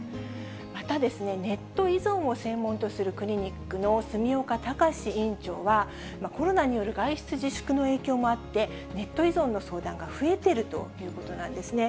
また、ネット依存を専門とするクリニックの墨岡孝院長は、コロナによる外出自粛の影響もあって、ネット依存の相談が増えているということなんですね。